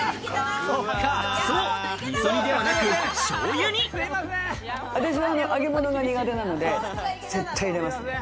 そう、みそ煮ではなくしょう私は揚げ物が苦手なので絶対に入れます。